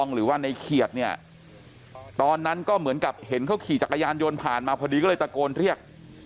หรือว่าในเขียดเนี่ยตอนนั้นก็เหมือนกับเห็นเขาขี่จักรยานยนต์ผ่านมาพอดีก็เลยตะโกนเรียก